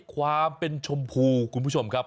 ความเป็นชมพูคุณผู้ชมครับ